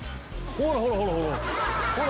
ほらほらほらほら！